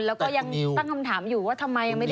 แล้วก็ยังตั้งคำถามอยู่ว่าทำไมยังไม่ได้